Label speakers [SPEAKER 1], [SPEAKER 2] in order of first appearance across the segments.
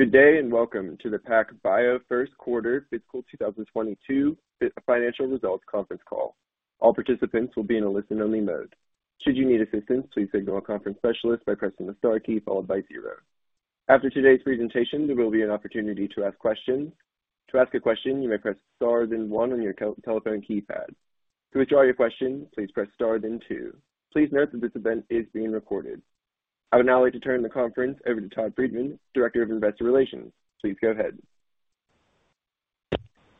[SPEAKER 1] Good day, and welcome to the PacBio first quarter fiscal 2022 financial results conference call. All participants will be in a listen only mode. Should you need assistance, please signal a conference specialist by pressing the star key followed by zero. After today's presentation, there will be an opportunity to ask questions. To ask a question, you may press star then one on your telephone keypad. To withdraw your question, please press star then two. Please note that this event is being recorded. I would now like to turn the conference over to Todd Friedman, Director of Investor Relations. Please go ahead.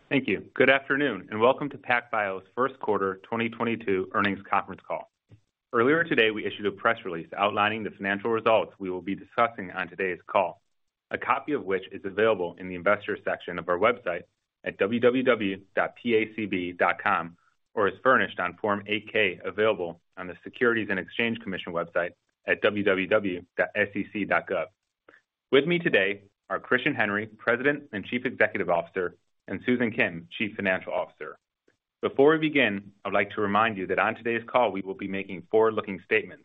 [SPEAKER 2] Thank you. Good afternoon, and welcome to PacBio's first quarter 2022 earnings conference call. Earlier today, we issued a press release outlining the financial results we will be discussing on today's call. A copy of which is available in the investor section of our website at www.pacb.com, or as furnished on Form 8-K, available on the Securities and Exchange Commission website at www.sec.gov. With me today are Christian Henry, President and Chief Executive Officer, and Susan Kim, Chief Financial Officer. Before we begin, I would like to remind you that on today's call, we will be making forward-looking statements,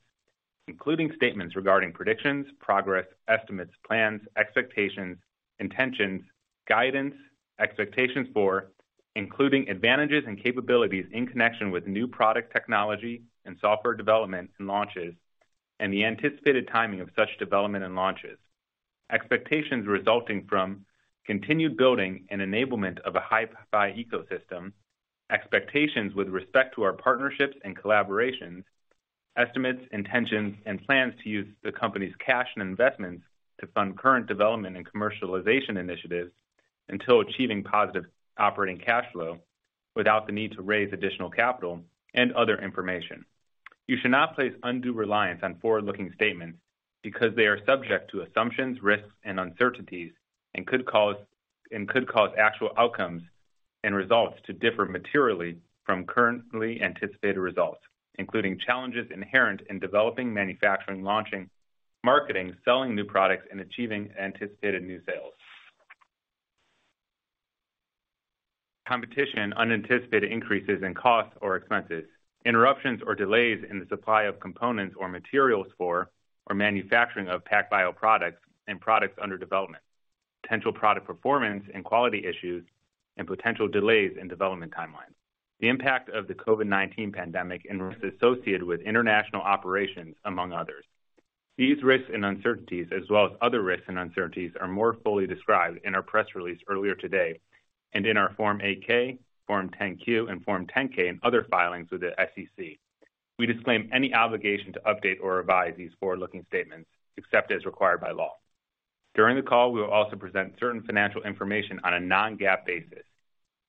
[SPEAKER 2] including statements regarding predictions, progress, estimates, plans, expectations, intentions, guidance, expectations for, including advantages and capabilities in connection with new product technology and software development and launches, and the anticipated timing of such development and launches. Expectations resulting from continued building and enablement of a HiFi ecosystem, expectations with respect to our partnerships and collaborations, estimates, intentions, and plans to use the company's cash and investments to fund current development and commercialization initiatives until achieving positive operating cash flow without the need to raise additional capital and other information. You should not place undue reliance on forward-looking statements because they are subject to assumptions, risks, and uncertainties, and could cause actual outcomes and results to differ materially from currently anticipated results, including challenges inherent in developing, manufacturing, launching, marketing, selling new products, and achieving anticipated new sales. Competition, unanticipated increases in costs or expenses, interruptions or delays in the supply of components or materials for or manufacturing of PacBio products and products under development, potential product performance and quality issues, and potential delays in development timelines. The impact of the COVID-19 pandemic and risks associated with international operations, among others. These risks and uncertainties, as well as other risks and uncertainties, are more fully described in our press release earlier today and in our Form 8-K, Form 10-Q, and Form 10-K, and other filings with the SEC. We disclaim any obligation to update or revise these forward-looking statements except as required by law. During the call, we will also present certain financial information on a non-GAAP basis.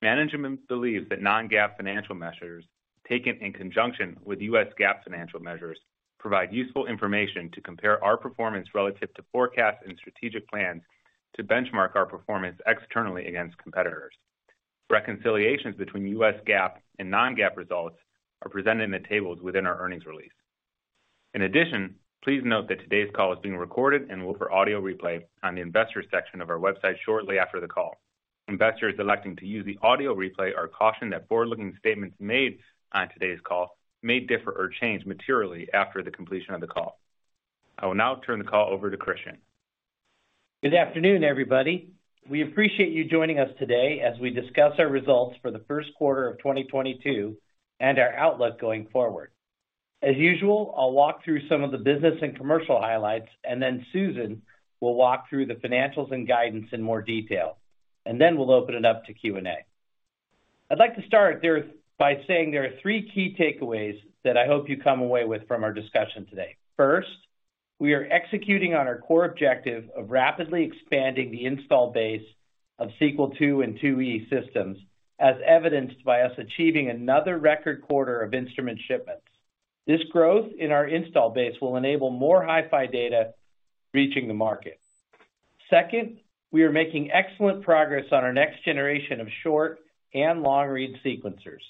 [SPEAKER 2] Management believes that non-GAAP financial measures taken in conjunction with U.S. GAAP financial measures provide useful information to compare our performance relative to forecasts and strategic plans to benchmark our performance externally against competitors. Reconciliations between US GAAP and non-GAAP results are presented in the tables within our earnings release. In addition, please note that today's call is being recorded and will be for audio replay on the investor section of our website shortly after the call. Investors electing to use the audio replay are cautioned that forward-looking statements made on today's call may differ or change materially after the completion of the call. I will now turn the call over to Christian.
[SPEAKER 3] Good afternoon, everybody. We appreciate you joining us today as we discuss our results for the first quarter of 2022 and our outlook going forward. As usual, I'll walk through some of the business and commercial highlights, and then Susan will walk through the financials and guidance in more detail, and then we'll open it up to Q&A. I'd like to start there by saying there are three key takeaways that I hope you come away with from our discussion today. First, we are executing on our core objective of rapidly expanding the installed base of Sequel II and II-E systems, as evidenced by us achieving another record quarter of instrument shipments. This growth in our installed base will enable more HiFi data reaching the market. Second, we are making excellent progress on our next generation of short and long-read sequencers.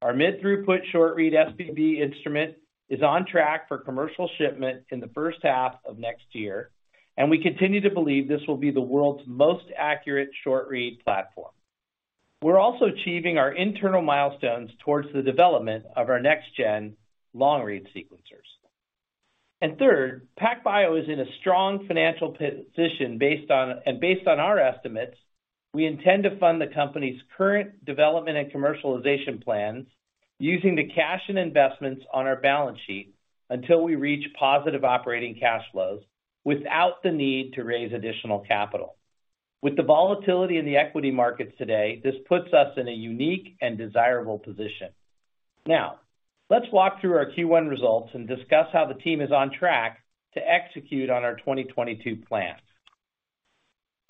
[SPEAKER 3] Our mid-throughput short-read Onso instrument is on track for commercial shipment in the first half of next year, and we continue to believe this will be the world's most accurate short read platform. We're also achieving our internal milestones towards the development of our next-gen long read sequencers. Third, PacBio is in a strong financial position based on our estimates, we intend to fund the company's current development and commercialization plans using the cash and investments on our balance sheet until we reach positive operating cash flows without the need to raise additional capital. With the volatility in the equity markets today, this puts us in a unique and desirable position. Now, let's walk through our Q1 results and discuss how the team is on track to execute on our 2022 plans.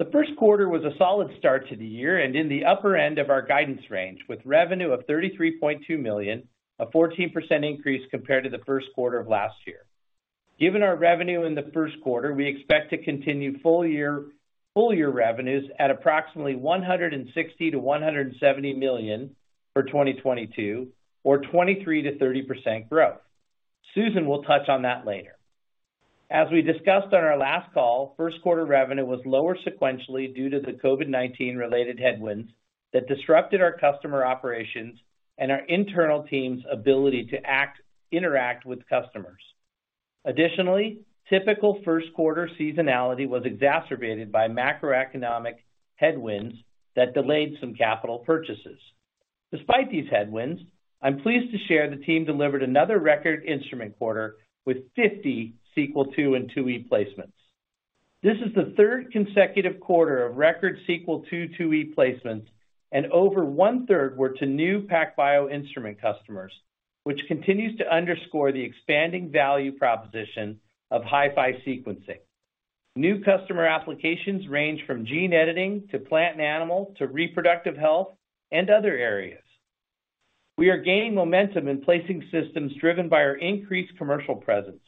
[SPEAKER 3] The first quarter was a solid start to the year and in the upper end of our guidance range, with revenue of $33.2 million, a 14% increase compared to the first quarter of last year. Given our revenue in the first quarter, we expect full year revenues at approximately $160 million-$170 million for 2022 or 23%-30% growth. Susan will touch on that later. As we discussed on our last call, first quarter revenue was lower sequentially due to the COVID-19 related headwinds that disrupted our customer operations and our internal team's ability to interact with customers. Additionally, typical first quarter seasonality was exacerbated by macroeconomic headwinds that delayed some capital purchases. Despite these headwinds, I'm pleased to share the team delivered another record instrument quarter with 50 Sequel II and II-E placements. This is the third consecutive quarter of record Sequel II and II-E placements, and over 1/3 were to new PacBio instrument customers, which continues to underscore the expanding value proposition of HiFi sequencing. New customer applications range from gene editing to plant and animal, to reproductive health and other areas. We are gaining momentum in placing systems driven by our increased commercial presence,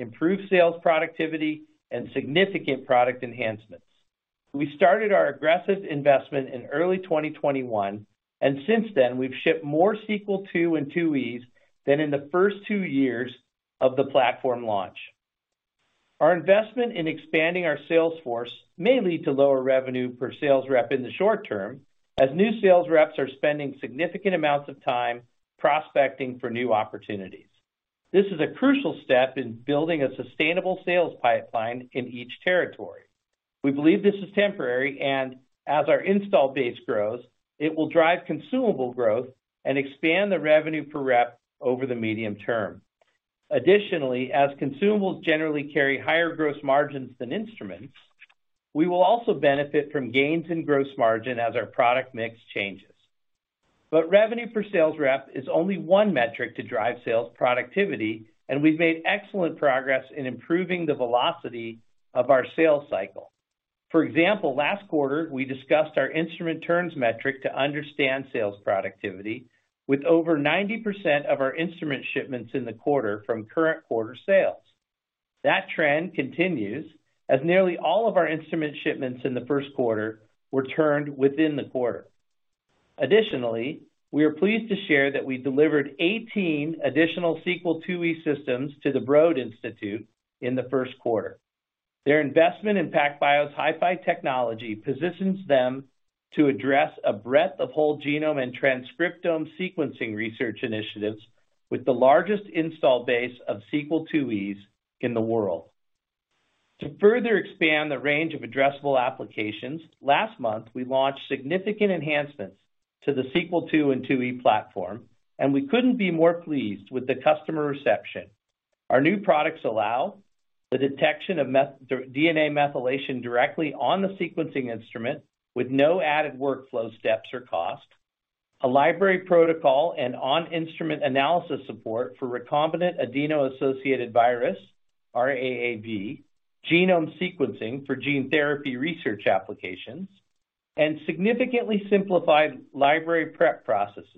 [SPEAKER 3] improved sales productivity, and significant product enhancements. We started our aggressive investment in early 2021, and since then, we've shipped more Sequel II and II-E s than in the first two years of the platform launch. Our investment in expanding our sales force may lead to lower revenue per sales rep in the short term, as new sales reps are spending significant amounts of time prospecting for new opportunities. This is a crucial step in building a sustainable sales pipeline in each territory. We believe this is temporary, and as our install base grows, it will drive consumable growth and expand the revenue per rep over the medium term. Additionally, as consumables generally carry higher gross margins than instruments, we will also benefit from gains in gross margin as our product mix changes. Revenue per sales rep is only one metric to drive sales productivity, and we've made excellent progress in improving the velocity of our sales cycle. For example, last quarter, we discussed our instrument turns metric to understand sales productivity with over 90% of our instrument shipments in the quarter from current quarter sales. That trend continues, as nearly all of our instrument shipments in the first quarter were turned within the quarter. Additionally, we are pleased to share that we delivered 18 additional Sequel II-E systems to the Broad Institute in the first quarter. Their investment in PacBio's HiFi technology positions them to address a breadth of whole genome and transcriptome sequencing research initiatives with the largest install base of Sequel II-Es in the world. To further expand the range of addressable applications, last month, we launched significant enhancements to the Sequel II and II-E platform, and we couldn't be more pleased with the customer reception. Our new products allow the detection of DNA methylation directly on the sequencing instrument with no added workflow steps or cost, a library protocol and on-instrument analysis support for recombinant adeno-associated virus, rAAV, genome sequencing for gene therapy research applications, and significantly simplified library prep processes.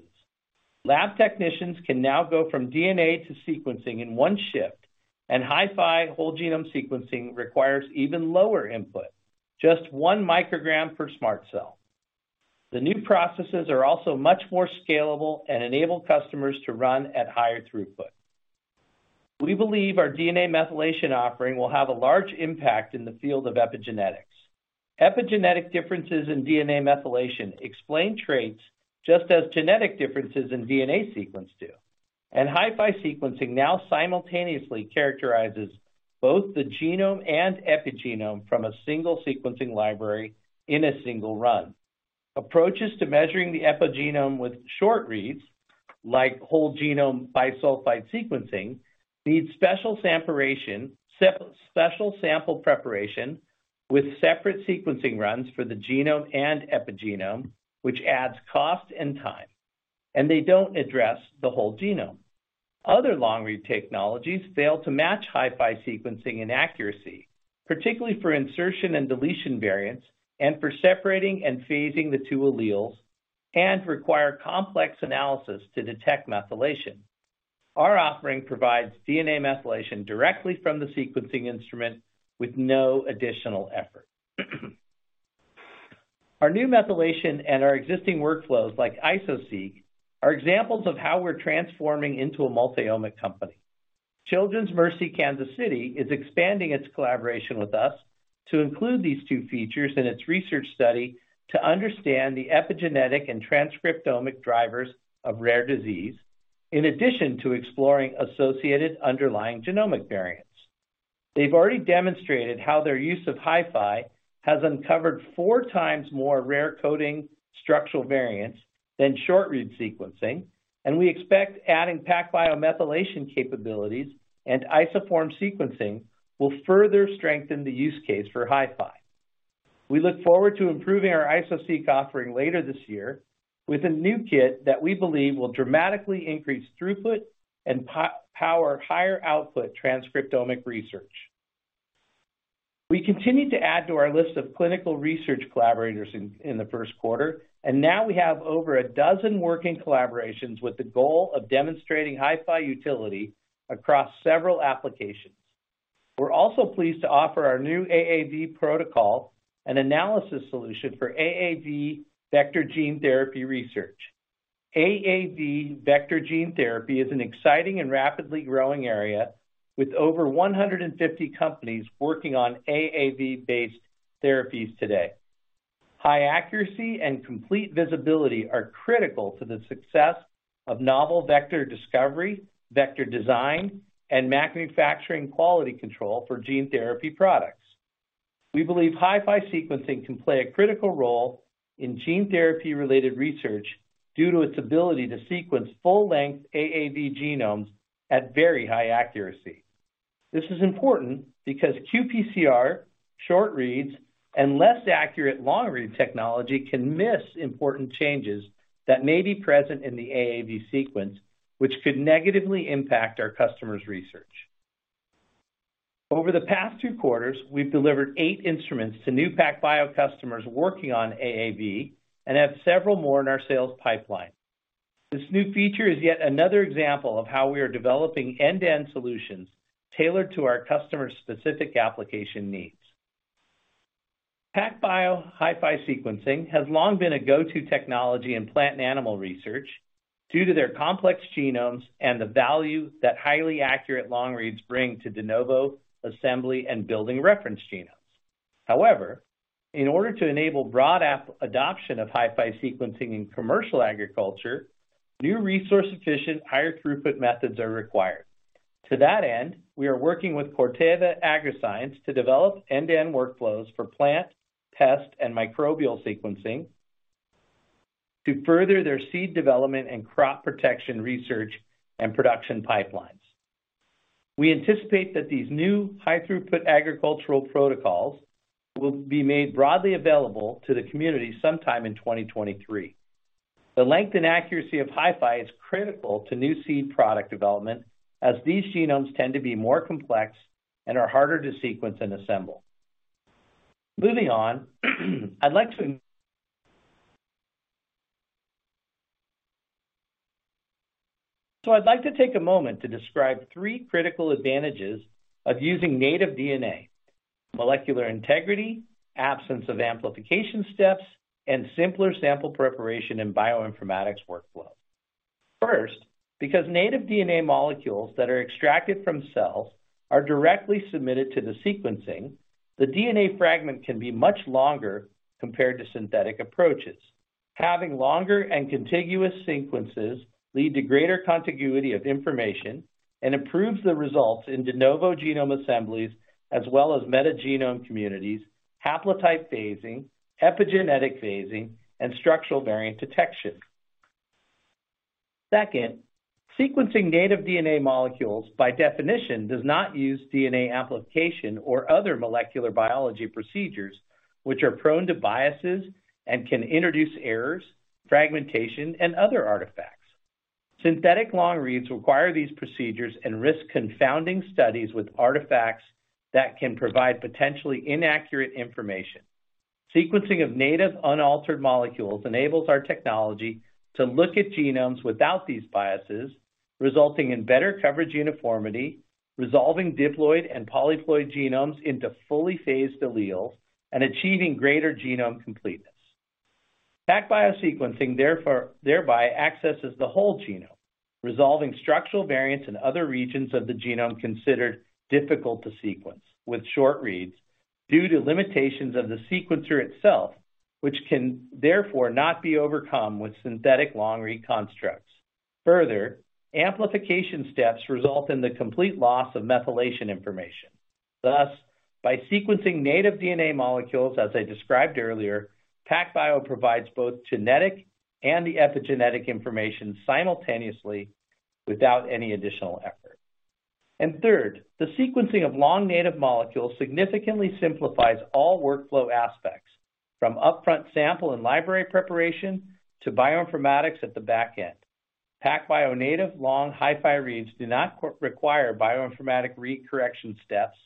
[SPEAKER 3] Lab technicians can now go from DNA to sequencing in one shift, and HiFi whole genome sequencing requires even lower input, just one microgram per SMRT Cell. The new processes are also much more scalable and enable customers to run at higher throughput. We believe our DNA methylation offering will have a large impact in the field of epigenetics. Epigenetic differences in DNA methylation explain traits just as genetic differences in DNA sequence do. HiFi sequencing now simultaneously characterizes both the genome and epigenome from a single sequencing library in a single run. Approaches to measuring the epigenome with short reads, like whole-genome bisulfite sequencing, need special sample preparation with separate sequencing runs for the genome and epigenome, which adds cost and time, and they don't address the whole genome. Other long-read technologies fail to match HiFi sequencing and accuracy, particularly for insertion and deletion variants, and for separating and phasing the two alleles, and require complex analysis to detect methylation. Our offering provides DNA methylation directly from the sequencing instrument with no additional effort. Our new methylation and our existing workflows like Iso-Seq are examples of how we're transforming into a multi-omic company. Children's Mercy Kansas City is expanding its collaboration with us to include these two features in its research study to understand the epigenetic and transcriptomic drivers of rare disease, in addition to exploring associated underlying genomic variants. They've already demonstrated how their use of HiFi has uncovered four times more rare coding structural variants than short read sequencing, and we expect adding PacBio methylation capabilities and isoform sequencing will further strengthen the use case for HiFi. We look forward to improving our Iso-Seq offering later this year with a new kit that we believe will dramatically increase throughput and power higher output transcriptomic research. We continued to add to our list of clinical research collaborators in the first quarter, and now we have over a dozen working collaborations with the goal of demonstrating HiFi utility across several applications. We're also pleased to offer our new AAV protocol, an analysis solution for AAV vector gene therapy research. AAV vector gene therapy is an exciting and rapidly growing area with over 150 companies working on AAV-based therapies today. High accuracy and complete visibility are critical to the success of novel vector discovery, vector design, and manufacturing quality control for gene therapy products. We believe HiFi sequencing can play a critical role in gene therapy-related research due to its ability to sequence full-length AAV genomes at very high accuracy. This is important because qPCR, short reads, and less accurate long-read technology can miss important changes that may be present in the AAV sequence, which could negatively impact our customers' research. Over the past two quarters, we've delivered eight instruments to new PacBio customers working on AAV and have several more in our sales pipeline. This new feature is yet another example of how we are developing end-to-end solutions tailored to our customers' specific application needs. PacBio HiFi sequencing has long been a go-to technology in plant and animal research due to their complex genomes and the value that highly accurate long reads bring to de novo assembly and building reference genomes. However, in order to enable broad app adoption of HiFi sequencing in commercial agriculture, new resource-efficient, higher throughput methods are required. To that end, we are working with Corteva Agriscience to develop end-to-end workflows for plant, pest, and microbial sequencing to further their seed development and crop protection research and production pipelines. We anticipate that these new high throughput agricultural protocols will be made broadly available to the community sometime in 2023. The length and accuracy of HiFi is critical to new seed product development as these genomes tend to be more complex and are harder to sequence and assemble. Moving on, I'd like to take a moment to describe three critical advantages of using native DNA: molecular integrity, absence of amplification steps, and simpler sample preparation in bioinformatics workflow. First, because native DNA molecules that are extracted from cells are directly submitted to the sequencing, the DNA fragment can be much longer compared to synthetic approaches. Having longer and contiguous sequences lead to greater contiguity of information and improves the results in de novo genome assemblies as well as metagenome communities, haplotype phasing, epigenetic phasing, and structural variant detection. Second, sequencing native DNA molecules by definition, does not use DNA amplification or other molecular biology procedures which are prone to biases and can introduce errors, fragmentation, and other artifacts. Synthetic long reads require these procedures and risk confounding studies with artifacts that can provide potentially inaccurate information. Sequencing of native unaltered molecules enables our technology to look at genomes without these biases, resulting in better coverage uniformity, resolving diploid and polyploid genomes into fully phased alleles, and achieving greater genome completeness. PacBio sequencing therefore, thereby accesses the whole genome, resolving structural variants in other regions of the genome considered difficult to sequence with short reads due to limitations of the sequencer itself, which can therefore not be overcome with synthetic long-read constructs. Further, amplification steps result in the complete loss of methylation information. Thus, by sequencing native DNA molecules, as I described earlier, PacBio provides both genetic and the epigenetic information simultaneously without any additional effort. Third, the sequencing of long native molecules significantly simplifies all workflow aspects from upfront sample and library preparation to bioinformatics at the back end. PacBio native long HiFi reads do not require bioinformatic read correction steps,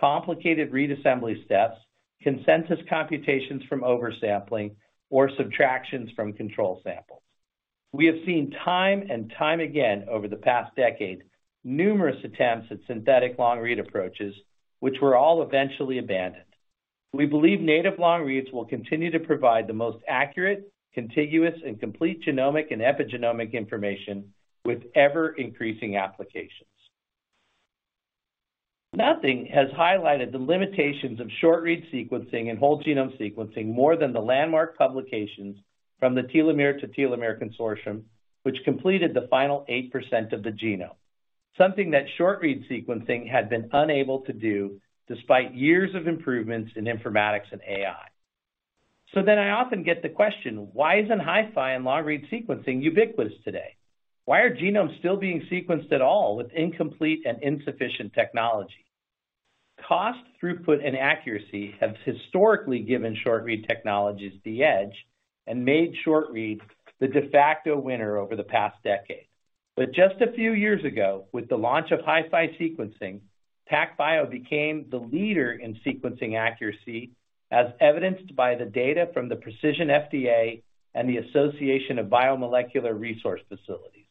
[SPEAKER 3] complicated read assembly steps, consensus computations from oversampling or subtractions from control samples. We have seen time and time again over the past decade, numerous attempts at synthetic long-read approaches which were all eventually abandoned. We believe native long reads will continue to provide the most accurate, contiguous, and complete genomic and epigenomic information with ever-increasing applications. Nothing has highlighted the limitations of short-read sequencing and whole genome sequencing more than the landmark publications from the Telomere-to-Telomere Consortium, which completed the final 8% of the genome, something that short read sequencing had been unable to do despite years of improvements in informatics and AI. I often get the question, why isn't HiFi and long-read sequencing ubiquitous today? Why are genomes still being sequenced at all with incomplete and insufficient technology? Cost, throughput, and accuracy have historically given short-read technologies the edge and made short reads the de facto winner over the past decade. Just a few years ago, with the launch of HiFi sequencing, PacBio became the leader in sequencing accuracy, as evidenced by the data from the precisionFDA and the Association of Biomolecular Resource Facilities.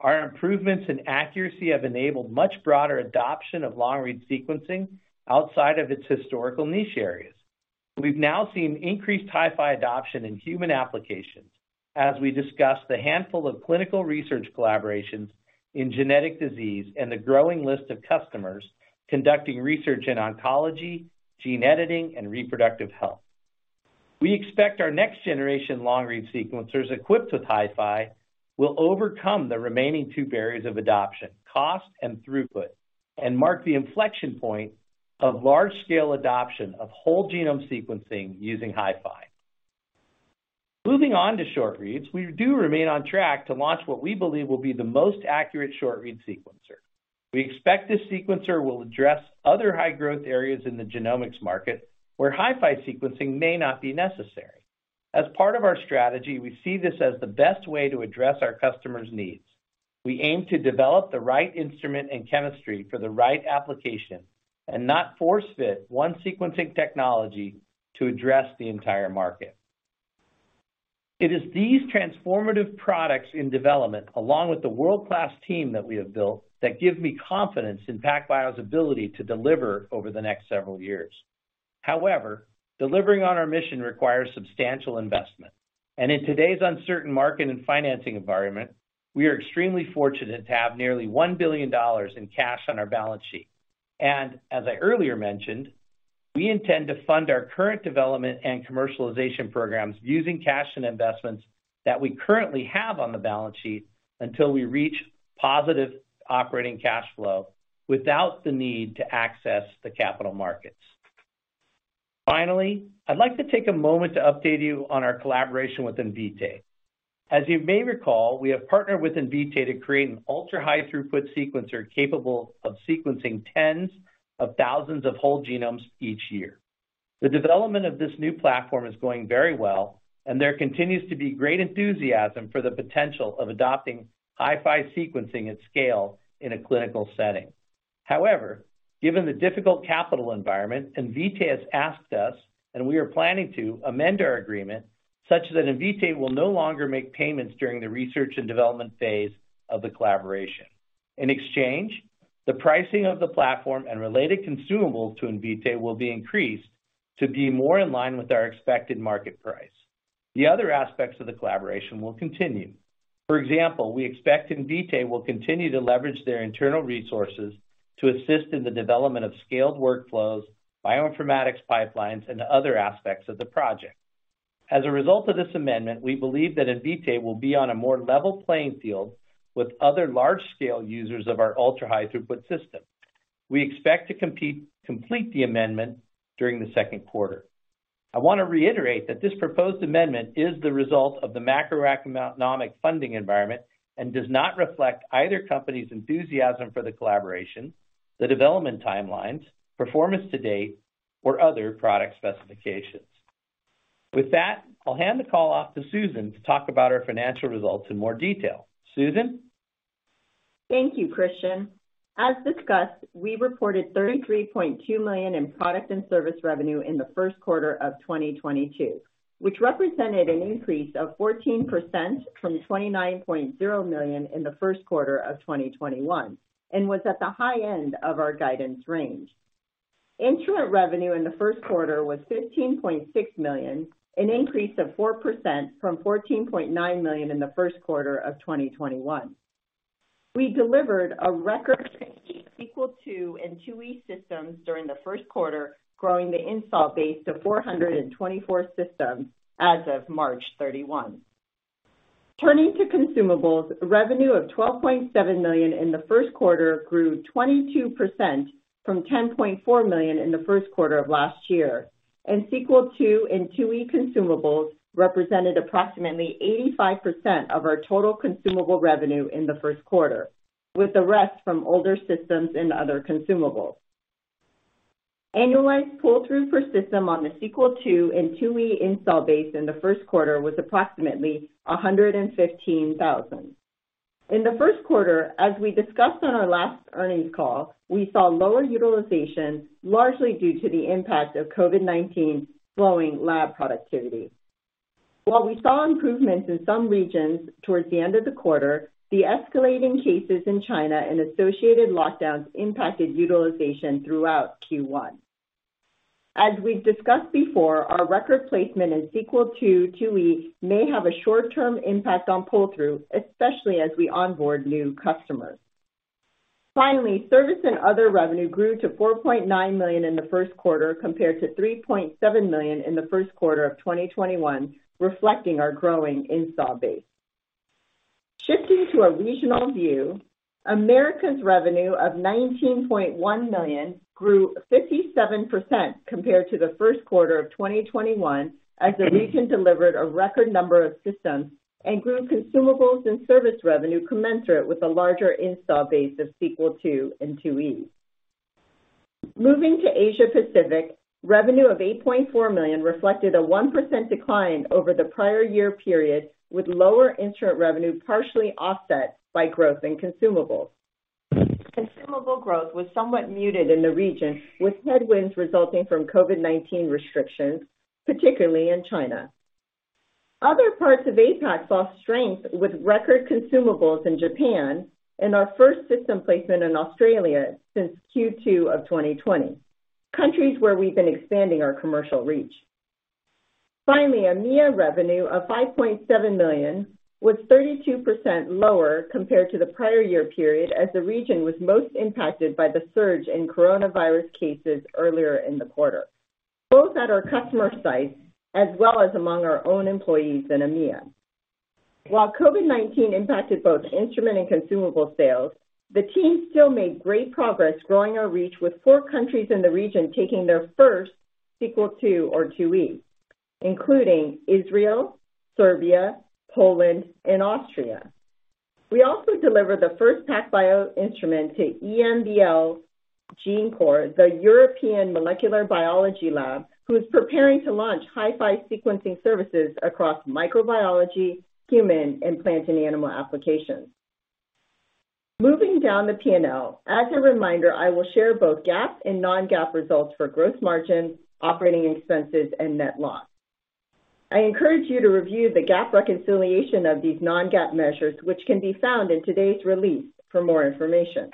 [SPEAKER 3] Our improvements in accuracy have enabled much broader adoption of long-read sequencing outside of its historical niche areas. We've now seen increased HiFi adoption in human applications. As we discussed, the handful of clinical research collaborations in genetic disease and the growing list of customers conducting research in oncology, gene editing, and reproductive health. We expect our next generation long-read sequencers equipped with HiFi will overcome the remaining two barriers of adoption, cost and throughput, and mark the inflection point of large scale adoption of whole genome sequencing using HiFi. Moving on to short reads, we do remain on track to launch what we believe will be the most accurate short read sequencer. We expect this sequencer will address other high growth areas in the genomics market, where HiFi sequencing may not be necessary. As part of our strategy, we see this as the best way to address our customers' needs. We aim to develop the right instrument and chemistry for the right application, and not force fit one sequencing technology to address the entire market. It is these transformative products in development, along with the world-class team that we have built, that give me confidence in PacBio's ability to deliver over the next several years. However, delivering on our mission requires substantial investment, and in today's uncertain market and financing environment, we are extremely fortunate to have nearly $1 billion in cash on our balance sheet. As I earlier mentioned, we intend to fund our current development and commercialization programs using cash and investments that we currently have on the balance sheet until we reach positive operating cash flow, without the need to access the capital markets. Finally, I'd like to take a moment to update you on our collaboration with Invitae. As you may recall, we have partnered with Invitae to create an ultra-high throughput sequencer capable of sequencing tens of thousands of whole genomes each year. The development of this new platform is going very well, and there continues to be great enthusiasm for the potential of adopting HiFi sequencing at scale in a clinical setting. However, given the difficult capital environment, Invitae has asked us, and we are planning to, amend our agreement such that Invitae will no longer make payments during the research and development phase of the collaboration. In exchange, the pricing of the platform and related consumables to Invitae will be increased to be more in line with our expected market price. The other aspects of the collaboration will continue. For example, we expect Invitae will continue to leverage their internal resources to assist in the development of scaled workflows, bioinformatics pipelines, and other aspects of the project. As a result of this amendment, we believe that Invitae will be on a more level playing field with other large-scale users of our ultra-high throughput system. We expect to complete the amendment during the second quarter. I want to reiterate that this proposed amendment is the result of the macroeconomic funding environment and does not reflect either company's enthusiasm for the collaboration, the development timelines, performance to date, or other product specifications. With that, I'll hand the call off to Susan to talk about our financial results in more detail. Susan?
[SPEAKER 4] Thank you, Christian. As discussed, we reported $33.2 million in product and service revenue in the first quarter of 2022, which represented an increase of 14% from $29.0 million in the first quarter of 2021, and was at the high end of our guidance range. Instrument revenue in the first quarter was $15.6 million, an increase of 4% from $14.9 million in the first quarter of 2021. We delivered a record Sequel II and II-E systems during the first quarter, growing the installed base to 424 systems as of March 31. Turning to consumables, revenue of $12.7 million in the first quarter grew 22% from $10.4 million in the first quarter of last year, and Sequel II and II-E consumables represented approximately 85% of our total consumable revenue in the first quarter, with the rest from older systems and other consumables. Annualized pull-through per system on the Sequel II and II-E install base in the first quarter was approximately 115,000. In the first quarter, as we discussed on our last earnings call, we saw lower utilization, largely due to the impact of COVID-19 slowing lab productivity. While we saw improvements in some regions towards the end of the quarter, the escalating cases in China and associated lockdowns impacted utilization throughout Q1. As we've discussed before, our record placement in Sequel II and II-E may have a short-term impact on pull-through, especially as we onboard new customers. Finally, service and other revenue grew to $4.9 million in the first quarter, compared to $3.7 million in the first quarter of 2021, reflecting our growing install base. Shifting to a regional view, Americas revenue of $19.1 million grew 57% compared to the first quarter of 2021 as the region delivered a record number of systems and grew consumables and service revenue commensurate with a larger install base of Sequel II and IIe. Moving to Asia Pacific, revenue of $8.4 million reflected a 1% decline over the prior year period, with lower instrument revenue partially offset by growth in consumables. Consumable growth was somewhat muted in the region, with headwinds resulting from COVID-19 restrictions, particularly in China. Other parts of APAC saw strength with record consumables in Japan and our first system placement in Australia since Q2 of 2020. Countries where we've been expanding our commercial reach. Finally, EMEA revenue of $5.7 million was 32% lower compared to the prior year period, as the region was most impacted by the surge in coronavirus cases earlier in the quarter, both at our customer sites as well as among our own employees in EMEA. While COVID-19 impacted both instrument and consumable sales, the team still made great progress growing our reach, with four countries in the region taking their first Sequel II or II-E, including Israel, Serbia, Poland, and Austria. We also delivered the first PacBio instrument to EMBL-Genopole, the European Molecular Biology Lab, who is preparing to launch HiFi sequencing services across microbiology, human, and plant and animal applications. Moving down the P&L, as a reminder, I will share both GAAP and non-GAAP results for gross margins, operating expenses, and net loss. I encourage you to review the GAAP reconciliation of these non-GAAP measures, which can be found in today's release for more information.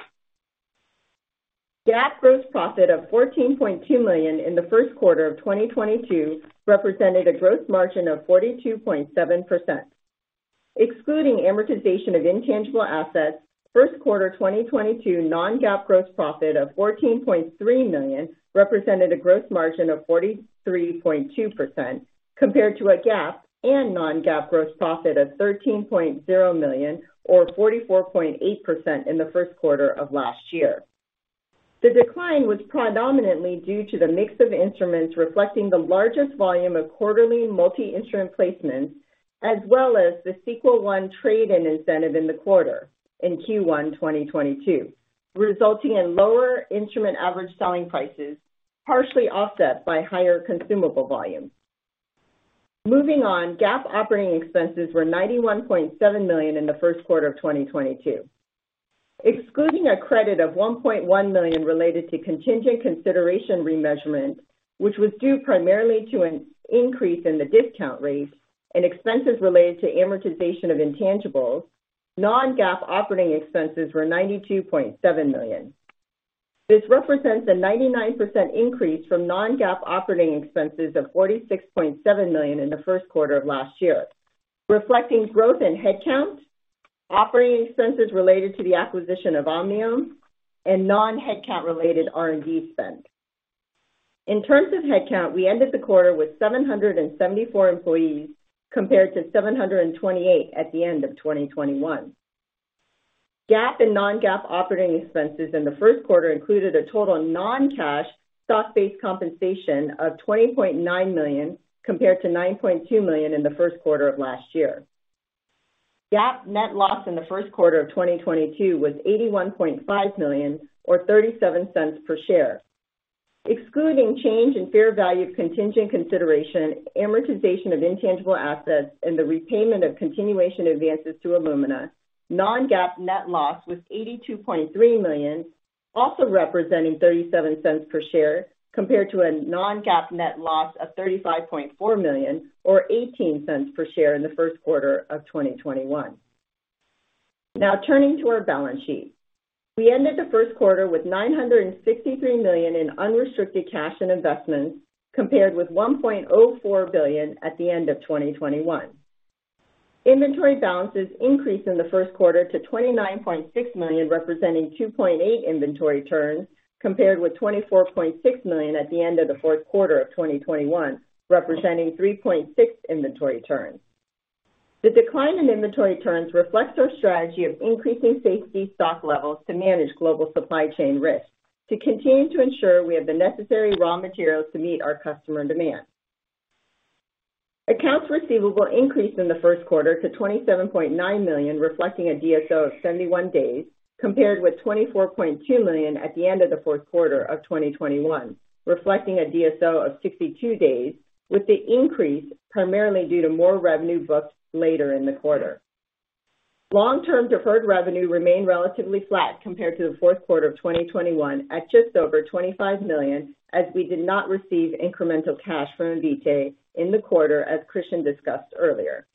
[SPEAKER 4] GAAP gross profit of $14.2 million in the first quarter of 2022 represented a gross margin of 42.7%. Excluding amortization of intangible assets, first quarter 2022 non-GAAP gross profit of $14.3 million represented a gross margin of 43.2%, compared to a GAAP and non-GAAP gross profit of $13.0 million or 44.8% in the first quarter of last year. The decline was predominantly due to the mix of instruments, reflecting the largest volume of quarterly multi-instrument placements, as well as the Sequel II trade-in incentive in the quarter in Q1 2022, resulting in lower instrument average selling prices, partially offset by higher consumable volumes. Moving on, GAAP operating expenses were $91.7 million in the first quarter of 2022. Excluding a credit of $1.1 million related to contingent consideration remeasurement, which was due primarily to an increase in the discount rate and expenses related to amortization of intangibles, non-GAAP operating expenses were $92.7 million. This represents a 99% increase from non-GAAP operating expenses of $46.7 million in the first quarter of last year, reflecting growth in headcount, operating expenses related to the acquisition of Omniome, and non-headcount related R&D spend. In terms of headcount, we ended the quarter with 774 employees, compared to 728 at the end of 2021. GAAP and non-GAAP operating expenses in the first quarter included a total non-cash stock-based compensation of $20.9 million, compared to $9.2 million in the first quarter of last year. GAAP net loss in the first quarter of 2022 was $81.5 million or $0.37 per share. Excluding change in fair value of contingent consideration, amortization of intangible assets, and the repayment of continuation advances to Illumina, non-GAAP net loss was $82.3 million, also representing $0.37 per share, compared to a non-GAAP net loss of $35.4 million or $0.18 per share in the first quarter of 2021. Now turning to our balance sheet. We ended the first quarter with $963 million in unrestricted cash and investments, compared with $1.04 billion at the end of 2021. Inventory balances increased in the first quarter to $29.6 million, representing 2.8 inventory turns, compared with $24.6 million at the end of the fourth quarter of 2021, representing 3.6 inventory turns. The decline in inventory turns reflects our strategy of increasing safety stock levels to manage global supply chain risks, to continue to ensure we have the necessary raw materials to meet our customer demand. Accounts receivable increased in the first quarter to $27.9 million, reflecting a DSO of 71 days, compared with $24.2 million at the end of the fourth quarter of 2021, reflecting a DSO of 62 days, with the increase primarily due to more revenue booked later in the quarter. Long-term deferred revenue remained relatively flat compared to the fourth quarter of 2021 at just over $25 million, as we did not receive incremental cash from Invitae in the quarter, as Christian discussed earlier.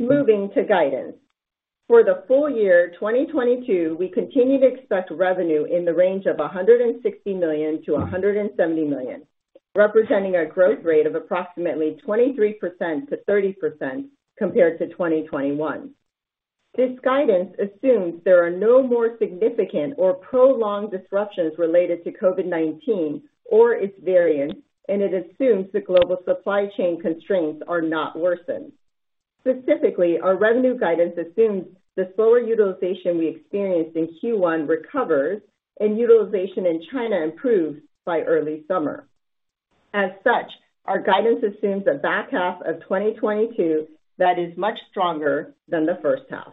[SPEAKER 4] Moving to guidance. For the full year 2022, we continue to expect revenue in the range of $160 million-$170 million, representing a growth rate of approximately 23%-30% compared to 2021. This guidance assumes there are no more significant or prolonged disruptions related to COVID-19 or its variants, and it assumes the global supply chain constraints are not worsened. Specifically, our revenue guidance assumes the slower utilization we experienced in Q1 recovers and utilization in China improves by early summer. As such, our guidance assumes a back half of 2022 that is much stronger than the first half.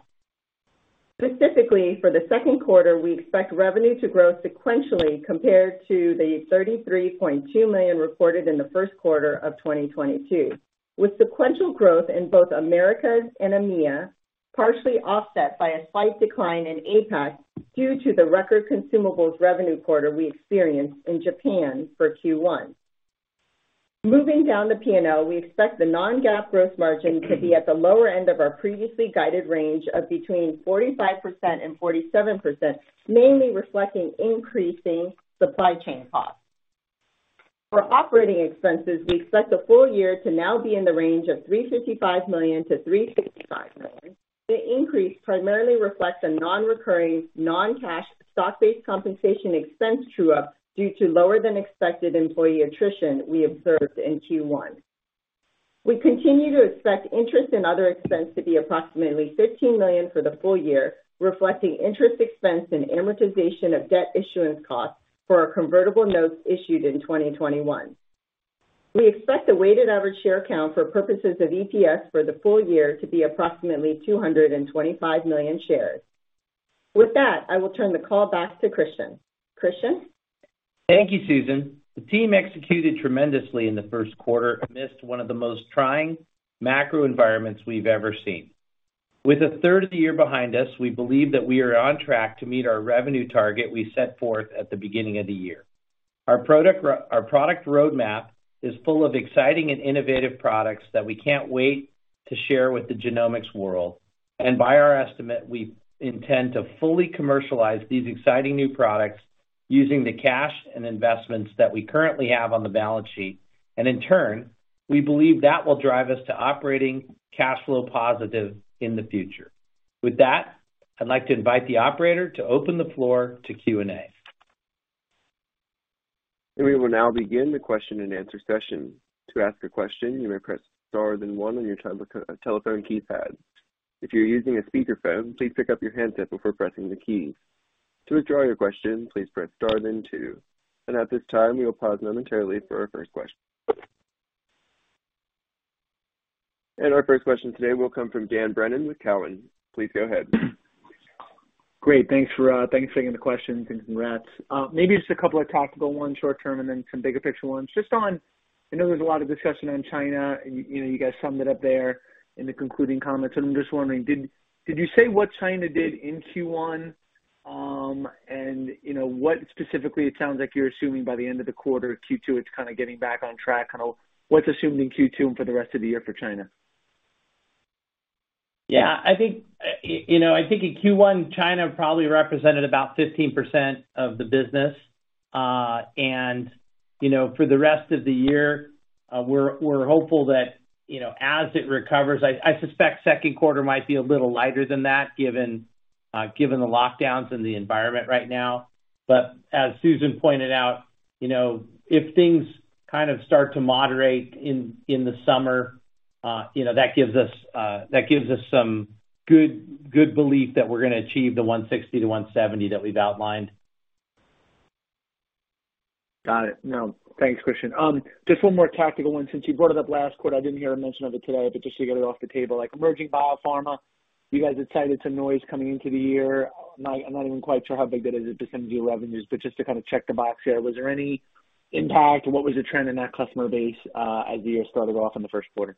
[SPEAKER 4] Specifically, for the second quarter, we expect revenue to grow sequentially compared to the $33.2 million reported in the first quarter of 2022, with sequential growth in both Americas and EMEA, partially offset by a slight decline in APAC due to the record consumables revenue quarter we experienced in Japan for Q1. Moving down the P&L, we expect the non-GAAP gross margin to be at the lower end of our previously guided range of between 45% and 47%, mainly reflecting increasing supply chain costs. For operating expenses, we expect the full year to now be in the range of $355 million to $365 million. The increase primarily reflects a non-recurring non-cash stock-based compensation expense true-up due to lower than expected employee attrition we observed in Q1. We continue to expect interest and other expense to be approximately $15 million for the full year, reflecting interest expense and amortization of debt issuance costs for our convertible notes issued in 2021. We expect the weighted average share count for purposes of EPS for the full year to be approximately 225 million shares. With that, I will turn the call back to Christian. Christian?
[SPEAKER 3] Thank you, Susan. The team executed tremendously in the first quarter amidst one of the most trying macro environments we've ever seen. With a third of the year behind us, we believe that we are on track to meet our revenue target we set forth at the beginning of the year. Our product roadmap is full of exciting and innovative products that we can't wait to share with the genomics world. By our estimate, we intend to fully commercialize these exciting new products using the cash and investments that we currently have on the balance sheet. In turn, we believe that will drive us to operating cash flow positive in the future. With that, I'd like to invite the operator to open the floor to Q&A.
[SPEAKER 1] We will now begin the question and answer session. To ask a question, you may press star then one on your telephone keypad. If you're using a speakerphone, please pick up your handset before pressing the key. To withdraw your question, please press star then two. At this time, we will pause momentarily for our first question. Our first question today will come from Dan Brennan with Cowen. Please go ahead.
[SPEAKER 5] Great. Thanks for taking the questions and congrats. Maybe just a couple of tactical ones short term, and then some bigger picture ones. Just on, I know there's a lot of discussion on China, you know, you guys summed it up there in the concluding comments. I'm just wondering, did you say what China did in Q1? And, you know, what specifically it sounds like you're assuming by the end of the quarter, Q2, it's kind of getting back on track, kind of what's assumed in Q2 and for the rest of the year for China.
[SPEAKER 3] Yeah, I think, you know, I think in Q1, China probably represented about 15% of the business. You know, for the rest of the year, we're hopeful that, you know, as it recovers, I suspect second quarter might be a little lighter than that, given the lockdowns and the environment right now. As Susan pointed out, you know, if things kind of start to moderate in the summer, you know, that gives us some good belief that we're gonna achieve the 160-170 that we've outlined.
[SPEAKER 5] Got it. No. Thanks, Christian. Just one more tactical one since you brought it up last quarter. I didn't hear a mention of it today, but just to get it off the table, like, emerging Biopharma, you guys had cited some noise coming into the year. I'm not even quite sure how big that is as a % of the revenues, but just to kind of check the box here, was there any impact? What was the trend in that customer base, as the year started off in the first quarter?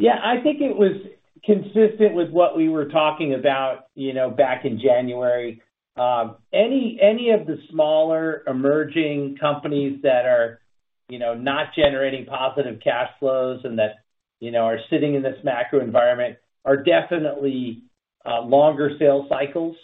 [SPEAKER 3] Yeah, I think it was consistent with what we were talking about, you know, back in January. Any of the smaller emerging companies that are, you know, not generating positive cash flows and that, you know, are sitting in this macro environment are definitely longer sales cycles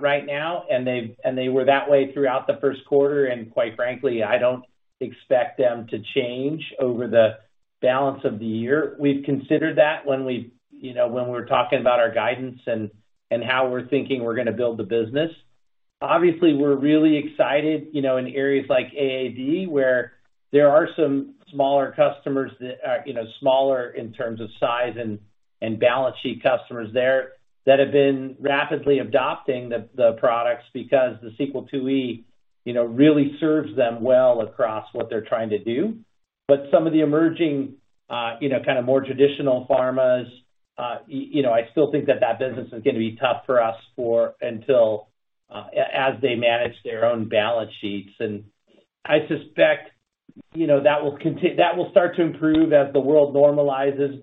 [SPEAKER 3] right now, and they were that way throughout the first quarter. Quite frankly, I don't expect them to change over the balance of the year. We've considered that when we, you know, when we're talking about our guidance and how we're thinking we're gonna build the business. Obviously, we're really excited, you know, in areas like AAV, where there are some smaller customers that are, you know, smaller in terms of size and balance sheet customers there that have been rapidly adopting the products because the Sequel IIe, you know, really serves them well across what they're trying to do. Some of the emerging, you know, kind of more traditional pharmas, you know, I still think that business is gonna be tough for us until, as they manage their own balance sheets. I suspect, you know, that will start to improve as the world normalizes.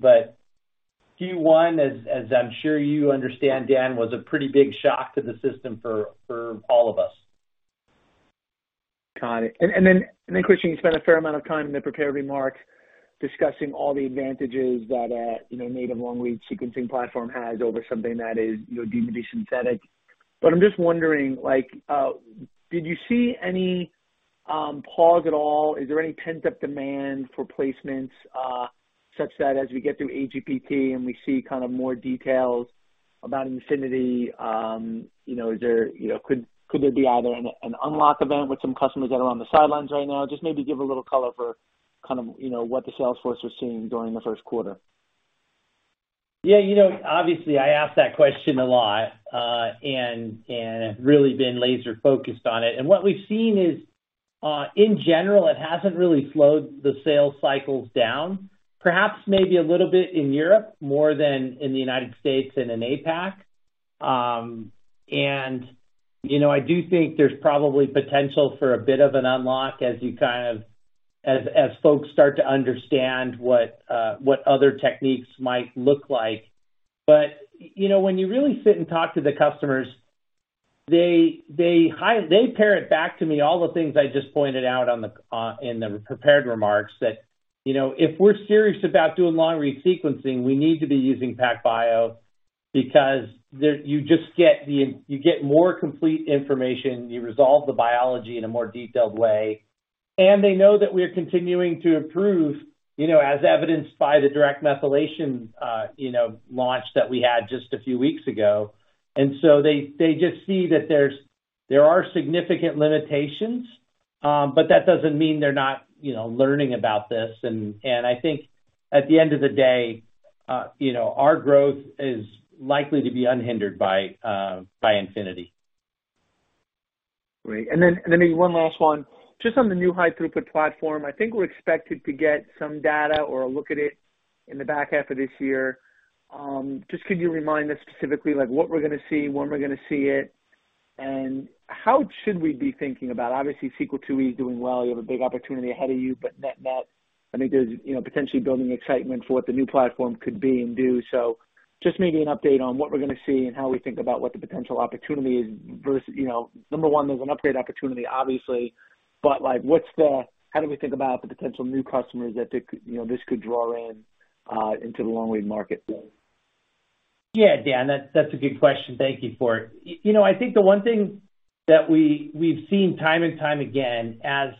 [SPEAKER 3] Q1, as I'm sure you understand, Dan, was a pretty big shock to the system for all of us.
[SPEAKER 5] Got it. Then Christian, you spent a fair amount of time in the prepared remarks discussing all the advantages that, you know, native long-read sequencing platform has over something that is, you know, deemed to be synthetic. I'm just wondering, like, did you see any pause at all? Is there any pent-up demand for placements, such that as we get through AGBT and we see kind of more details about Revio, you know, is there, you know, could there be either an unlock event with some customers that are on the sidelines right now? Just maybe give a little color for kind of, you know, what the sales force was seeing during the first quarter.
[SPEAKER 3] Yeah. You know, obviously, I ask that question a lot, and have really been laser focused on it. What we've seen is, in general, it hasn't really slowed the sales cycles down. Perhaps maybe a little bit in Europe more than in the United States and in APAC. You know, I do think there's probably potential for a bit of an unlock as folks start to understand what other techniques might look like. You know, when you really sit and talk to the customers. They parrot back to me all the things I just pointed out in the prepared remarks that, you know, if we're serious about doing long-read sequencing, we need to be using PacBio because you just get more complete information, you resolve the biology in a more detailed way. They know that we are continuing to improve, you know, as evidenced by the direct methylation launch that we had just a few weeks ago. They just see that there are significant limitations, but that doesn't mean they're not, you know, learning about this. I think at the end of the day, you know, our growth is likely to be unhindered by Revio.
[SPEAKER 5] Great. Then maybe one last one. Just on the new high throughput platform, I think we're expected to get some data or a look at it in the back half of this year. Just could you remind us specifically like what we're gonna see, when we're gonna see it, and how should we be thinking about it? Obviously Sequel II is doing well, you have a big opportunity ahead of you, but net, I think there's, you know, potentially building excitement for what the new platform could be and do. Just maybe an update on what we're gonna see and how we think about what the potential opportunity is versus, you know, number one, there's an upgrade opportunity obviously, but like, how do we think about the potential new customers that they could, you know, this could draw in into the long read market?
[SPEAKER 3] Yeah. Dan, that's a good question. Thank you for it. You know, I think the one thing that we've seen time and time again, as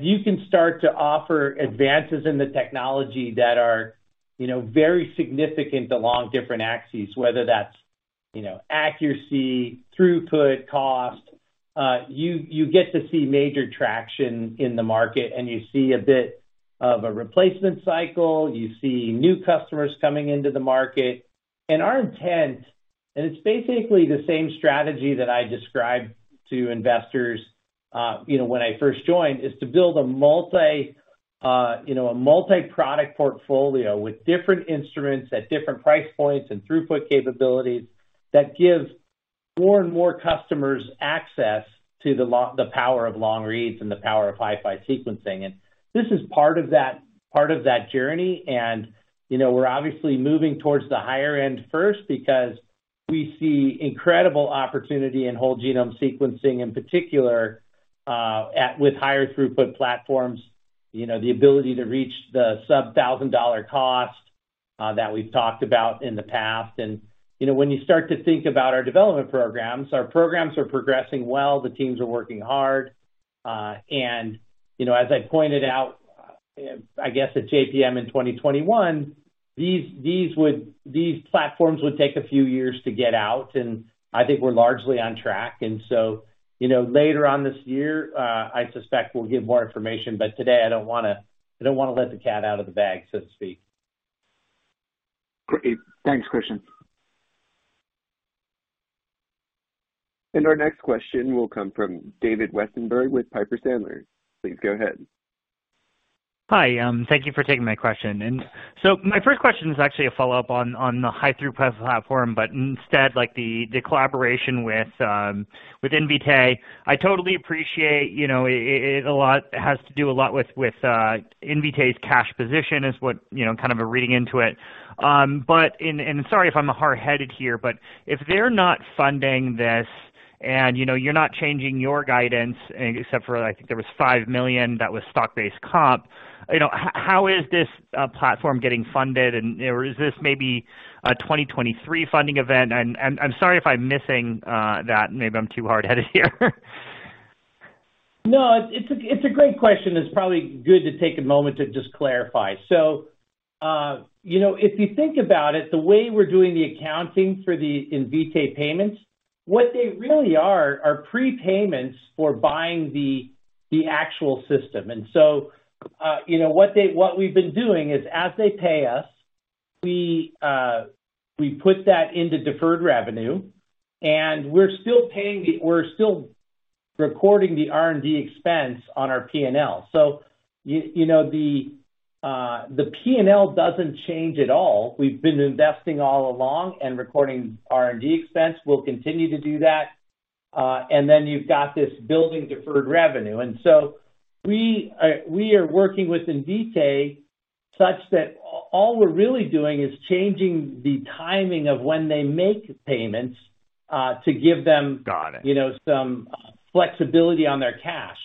[SPEAKER 3] you can start to offer advances in the technology that are, you know, very significant along different axes, whether that's, you know, accuracy, throughput, cost, you get to see major traction in the market, and you see a bit of a replacement cycle. You see new customers coming into the market. Our intent, and it's basically the same strategy that I described to investors, you know, when I first joined, is to build a multi- you know, a multi-product portfolio with different instruments at different price points and throughput capabilities that give more and more customers access to the power of long reads and the power of hi-fi sequencing. This is part of that, part of that journey. You know, we're obviously moving towards the higher end first because we see incredible opportunity in whole genome sequencing, in particular, with higher throughput platforms, you know, the ability to reach the sub-$1,000 cost that we've talked about in the past. You know, when you start to think about our development programs, our programs are progressing well, the teams are working hard. You know, as I pointed out, I guess at JPM in 2021, these platforms would take a few years to get out, and I think we're largely on track. You know, later on this year, I suspect we'll give more information, but today I don't wanna let the cat out of the bag, so to speak.
[SPEAKER 5] Great. Thanks, Christian.
[SPEAKER 1] Our next question will come from David Westenberg with Piper Sandler. Please go ahead.
[SPEAKER 6] Hi. Thank you for taking my question. My first question is actually a follow-up on the high throughput platform, but instead like the collaboration with Invitae. I totally appreciate, you know, it a lot has to do a lot with Invitae's cash position is what, you know, kind of a reading into it. But sorry if I'm hard-headed here, but if they're not funding this and, you know, you're not changing your guidance except for, I think there was $5 million that was stock-based comp, you know, how is this platform getting funded? And is this maybe a 2023 funding event? I'm sorry if I'm missing that, maybe I'm too hard-headed here.
[SPEAKER 3] No, it's a great question. It's probably good to take a moment to just clarify. You know, if you think about it, the way we're doing the accounting for the Invitae payments, what they really are prepayments for buying the actual system. You know, what we've been doing is, as they pay us, we put that into deferred revenue, and we're still recording the R&D expense on our P&L. You know, the P&L doesn't change at all. We've been investing all along and recording R&D expense. We'll continue to do that. And then you've got this building deferred revenue. We are working with Invitae such that all we're really doing is changing the timing of when they make payments, to give them.
[SPEAKER 6] Got it.
[SPEAKER 3] You know, some flexibility on their cash.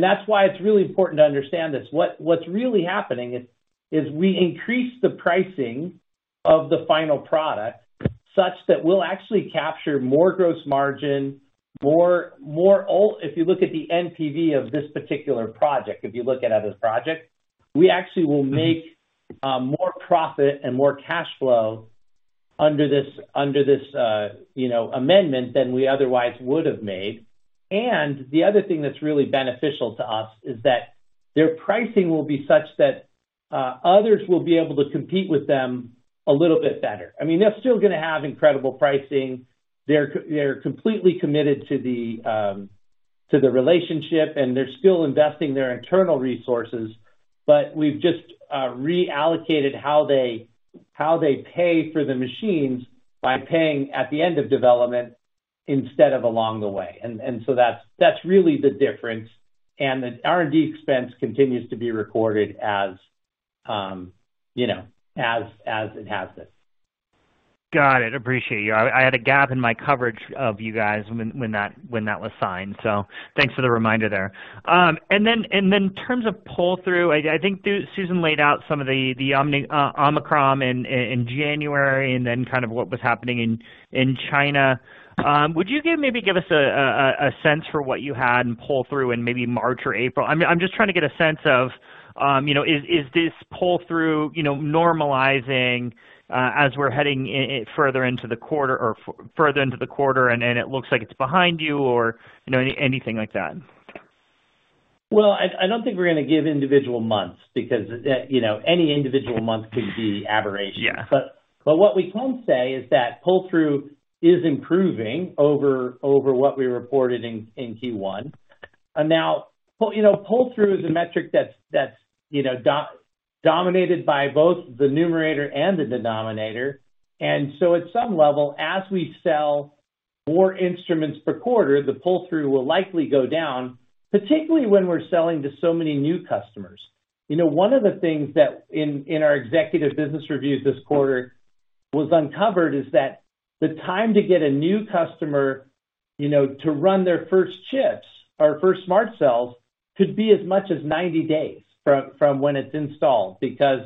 [SPEAKER 3] That's why it's really important to understand this. What's really happening is we increase the pricing of the final product such that we'll actually capture more gross margin. If you look at the NPV of this particular project, if you look at other projects, we actually will make more profit and more cash flow under this, you know, amendment than we otherwise would have made. The other thing that's really beneficial to us is that their pricing will be such that others will be able to compete with them a little bit better. I mean, they're still gonna have incredible pricing. They're completely committed to the relationship, and they're still investing their internal resources, but we've just reallocated how they pay for the machines by paying at the end of development instead of along the way. That's really the difference. The R&D expense continues to be recorded as you know, as it has been.
[SPEAKER 6] Got it. Appreciate you. I had a gap in my coverage of you guys when that was signed, so thanks for the reminder there. Then in terms of pull-through, I think Susan laid out some of the Omicron in January and then kind of what was happening in China. Would you maybe give us a sense for what you had in pull-through in maybe March or April? I'm just trying to get a sense of, you know, is this pull-through, you know, normalizing as we're heading further into the quarter, and then it looks like it's behind you or, you know, anything like that?
[SPEAKER 3] Well, I don't think we're gonna give individual months because, you know, any individual month could be aberration.
[SPEAKER 6] Yeah.
[SPEAKER 3] What we can say is that pull-through is improving over what we reported in Q1. Now, you know, pull-through is a metric that's, you know, dominated by both the numerator and the denominator. At some level, as we sell more instruments per quarter, the pull-through will likely go down, particularly when we're selling to so many new customers. You know, one of the things that in our executive business reviews this quarter was uncovered is that the time to get a new customer, you know, to run their first chips or first smart cells could be as much as 90 days from when it's installed because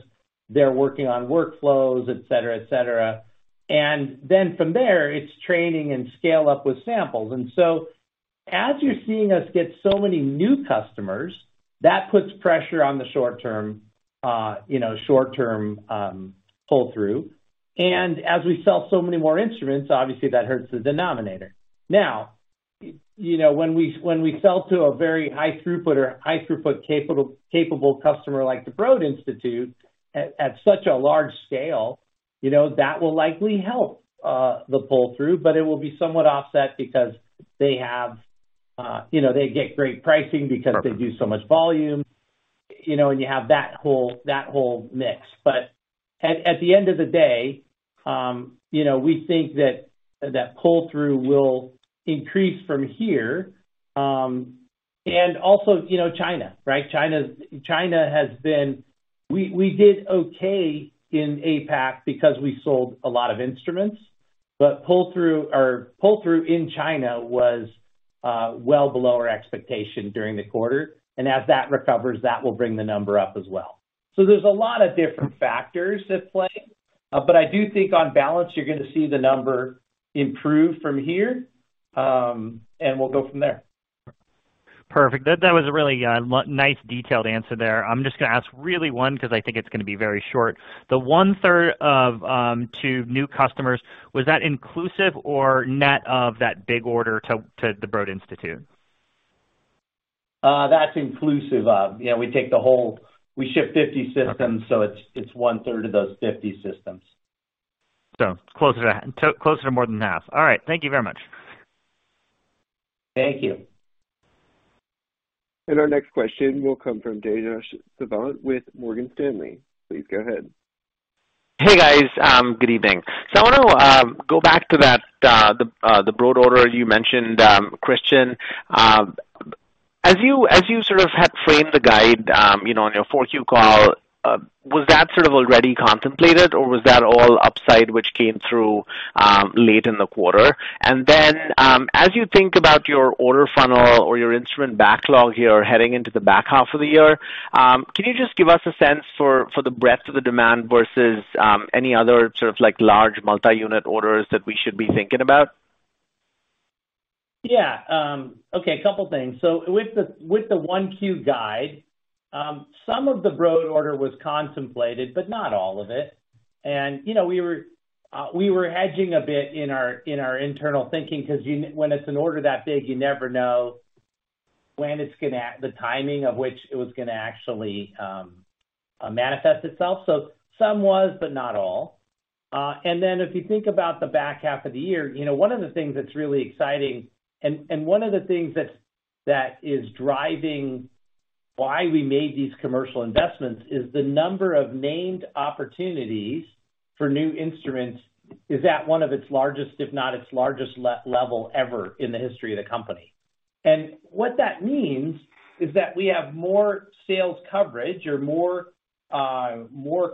[SPEAKER 3] they're working on workflows, et cetera. Then from there, it's training and scale up with samples. As you're seeing us get so many new customers, that puts pressure on the short term, you know, short term pull-through. As we sell so many more instruments, obviously that hurts the denominator. Now, you know, when we sell to a very high throughput or high throughput capable customer like the Broad Institute at such a large scale, you know, that will likely help the pull-through, but it will be somewhat offset because they have, you know, they get great pricing because they do so much volume, you know, and you have that whole mix. At the end of the day, you know, we think that pull-through will increase from here. Also, you know, China, right? China has been... We did okay in APAC because we sold a lot of instruments, but pull-through in China was well below our expectation during the quarter. As that recovers, that will bring the number up as well. There's a lot of different factors at play. But I do think on balance you're gonna see the number improve from here, and we'll go from there.
[SPEAKER 6] Perfect. That was a really nice detailed answer there. I'm just gonna ask really one because I think it's gonna be very short. The one-third of the new customers, was that inclusive or net of that big order to the Broad Institute?
[SPEAKER 3] That's inclusive of. You know, we ship 50 systems.
[SPEAKER 6] Okay.
[SPEAKER 3] It's 1/3 of those 50 systems.
[SPEAKER 6] Closer to more than half. All right. Thank you very much.
[SPEAKER 3] Thank you.
[SPEAKER 1] Our next question will come from Tejas Savant with Morgan Stanley. Please go ahead.
[SPEAKER 7] Hey, guys, good evening. I wanna go back to that, the Broad order you mentioned, Christian. As you sort of had framed the guide, you know, on your Q4 call, was that sort of already contemplated or was that all upside which came through late in the quarter? And then, as you think about your order funnel or your instrument backlog here heading into the back half of the year, can you just give us a sense for the breadth of the demand versus any other sort of like large multi-unit orders that we should be thinking about?
[SPEAKER 3] Yeah. Okay, couple things. With the Q1 guide, some of the Broad Institute order was contemplated, but not all of it. You know, we were hedging a bit in our internal thinking 'cause when it's an order that big, you never know the timing of which it was gonna actually manifest itself. Some was, but not all. Then if you think about the back half of the year, you know, one of the things that's really exciting and one of the things that is driving why we made these commercial investments is the number of named opportunities for new instruments is at one of its largest, if not its largest level ever in the history of the company. What that means is that we have more sales coverage or more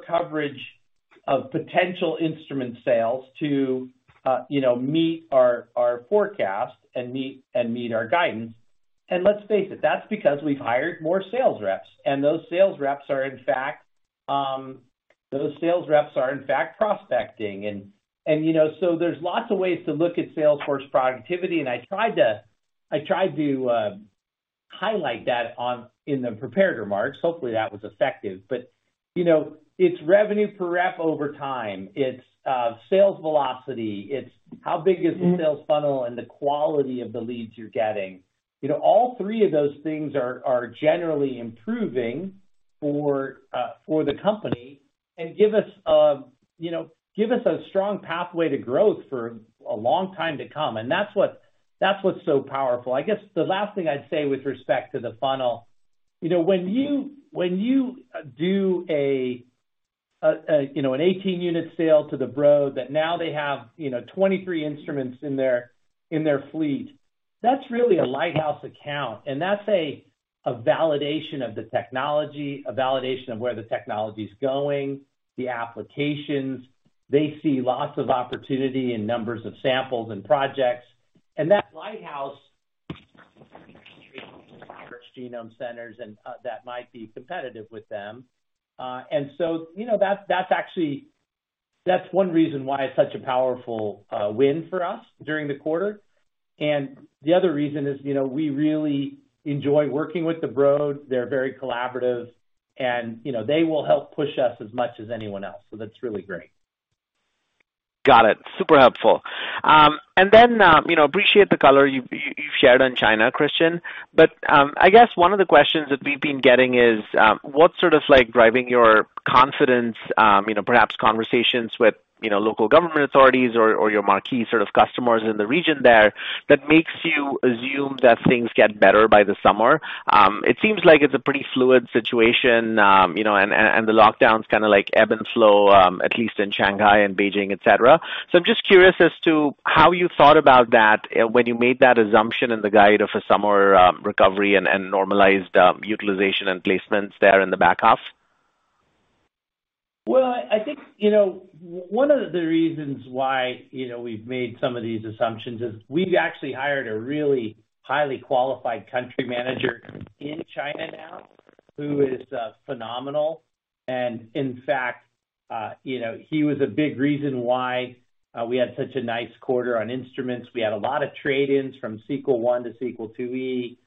[SPEAKER 3] coverage of potential instrument sales to, you know, meet our forecast and meet our guidance. Let's face it, that's because we've hired more sales reps, and those sales reps are, in fact, prospecting. You know, so there's lots of ways to look at sales force productivity, and I tried to highlight that in the prepared remarks. Hopefully, that was effective. You know, it's revenue per rep over time, it's sales velocity, it's how big is the sales funnel and the quality of the leads you're getting. You know, all three of those things are generally improving for the company and give us a strong pathway to growth for a long time to come, and that's what's so powerful. I guess the last thing I'd say with respect to the funnel, you know, when you do an 18-unit sale to the Broad Institute that now they have 23 instruments in their fleet. That's really a lighthouse account, and that's a validation of the technology, a validation of where the technology's going, the applications. They see lots of opportunity in numbers of samples and projects. Those lighthouse genome centers that might be competitive with them, and so, you know, that's actually. That's one reason why it's such a powerful win for us during the quarter. The other reason is, you know, we really enjoy working with the Broad. They're very collaborative and, you know, they will help push us as much as anyone else, so that's really great.
[SPEAKER 7] Got it. Super helpful. You know, appreciate the color you've shared on China, Christian. I guess one of the questions that we've been getting is, what's sort of like driving your confidence, you know, perhaps conversations with, you know, local government authorities or your marquee sort of customers in the region there that makes you assume that things get better by the summer? It seems like it's a pretty fluid situation, you know, and the lockdowns kind of like ebb and flow, at least in Shanghai and Beijing, et cetera. I'm just curious as to how you thought about that when you made that assumption in the guidance for a summer recovery and normalized utilization and placements there in the back half.
[SPEAKER 3] I think, you know, one of the reasons why, you know, we've made some of these assumptions is we've actually hired a really highly qualified country manager in China now, who is phenomenal. In fact, you know, he was a big reason why we had such a nice quarter on instruments. We had a lot of trade-ins from Sequel I to Sequel II-E.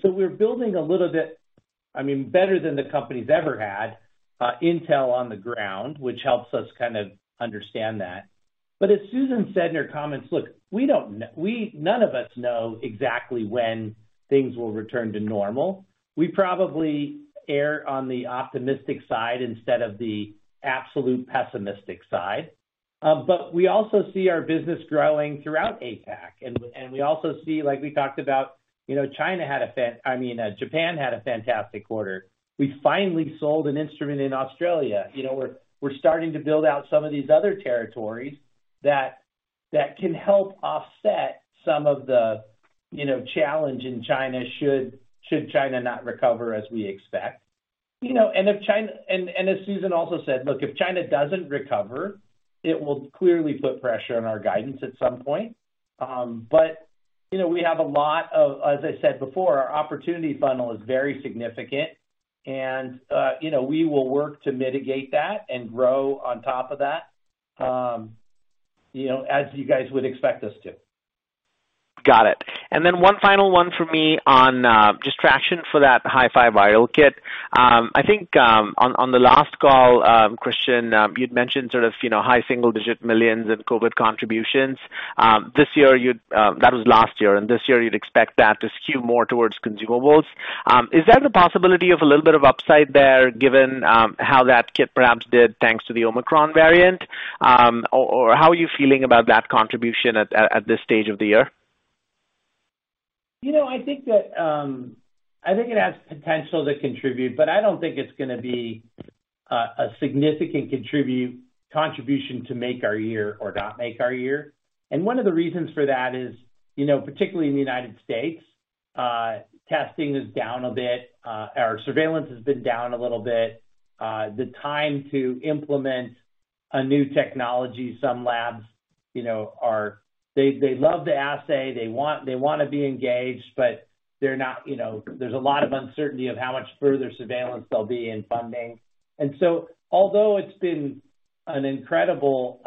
[SPEAKER 3] So we're building a little bit, I mean, better than the company's ever had intel on the ground, which helps us kind of understand that. As Susan said in her comments, look, none of us know exactly when things will return to normal. We probably err on the optimistic side instead of the absolute pessimistic side. We also see our business growing throughout APAC. We also see, like we talked about, you know, Japan had a fantastic quarter. We finally sold an instrument in Australia. You know, we're starting to build out some of these other territories that can help offset some of the, you know, challenge in China should China not recover as we expect. As Susan also said, look, if China doesn't recover, it will clearly put pressure on our guidance at some point. You know, as I said before, our opportunity funnel is very significant, and you know, we will work to mitigate that and grow on top of that, you know, as you guys would expect us to.
[SPEAKER 7] Got it. Then one final one for me on just traction for that HiFiViral SARS-CoV-2 Kit. I think on the last call, Christian, you'd mentioned sort of, you know, $ high single-digit millions in COVID contributions. That was last year, and this year you'd expect that to skew more towards consumables. Is there the possibility of a little bit of upside there, given how that kit perhaps did, thanks to the Omicron variant? Or how are you feeling about that contribution at this stage of the year?
[SPEAKER 3] You know, I think it has potential to contribute, but I don't think it's gonna be a significant contribution to make our year or not make our year. One of the reasons for that is, you know, particularly in the United States, testing is down a bit. Our surveillance has been down a little bit. The time to implement a new technology, some labs, you know, are. They love the assay, they wanna be engaged, but they're not, you know. There's a lot of uncertainty of how much further surveillance there'll be in funding. Although it's been an incredible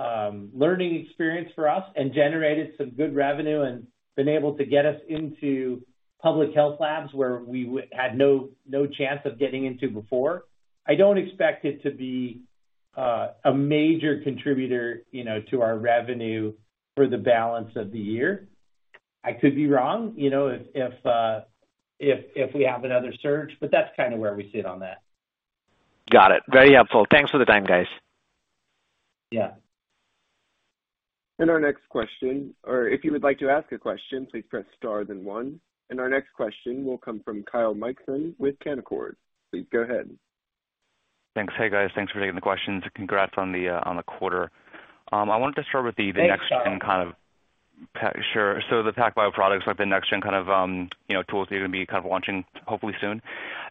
[SPEAKER 3] learning experience for us and generated some good revenue and been able to get us into public health labs where we had no chance of getting into before, I don't expect it to be a major contributor, you know, to our revenue for the balance of the year. I could be wrong, you know, if we have another surge, but that's kind of where we sit on that.
[SPEAKER 7] Got it. Very helpful. Thanks for the time, guys.
[SPEAKER 3] Yeah.
[SPEAKER 1] If you would like to ask a question, please press star then one. Our next question will come from Kyle Mikson with Canaccord. Please go ahead.
[SPEAKER 8] Thanks. Hey, guys. Thanks for taking the questions and congrats on the quarter. I wanted to start with the.
[SPEAKER 3] Thanks, Kyle.
[SPEAKER 8] Sure. The PacBio products or the next gen kind of, you know, tools that you're gonna be kind of launching hopefully soon.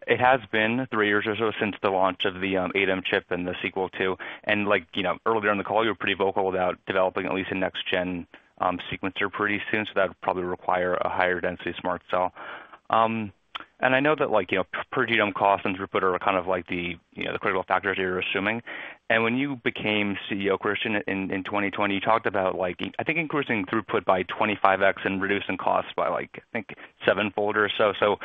[SPEAKER 8] It has been three years or so since the launch of the SMRT Cell and the Sequel II. Like, you know, earlier in the call, you were pretty vocal about developing at least a next gen sequencer pretty soon, so that would probably require a higher density SMRT Cell. I know that like, you know, per genome cost and throughput are kind of like the, you know, the critical factors here you're assuming. When you became CEO, Christian, in 2020, you talked about like, I think increasing throughput by 25x and reducing costs by like, I think sevenfold or so.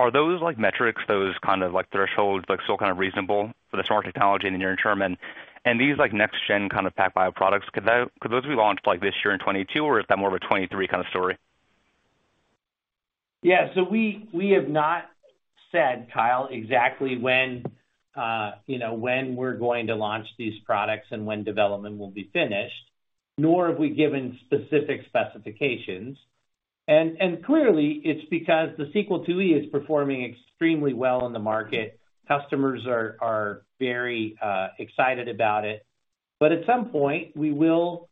[SPEAKER 8] Are those like metrics, those kind of like thresholds, like, still kind of reasonable for the SMRT technology in the near term? These like next gen kind of PacBio products, could those be launched like this year in 2022, or is that more of a 2023 kind of story?
[SPEAKER 3] We have not said, Kyle, exactly when, you know, when we're going to launch these products and when development will be finished, nor have we given specific specifications. Clearly it's because the Sequel II is performing extremely well in the market. Customers are very excited about it. At some point, we will